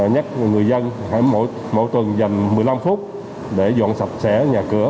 nhắc người dân mỗi tuần dành một mươi năm phút để dọn sạch sẽ nhà cửa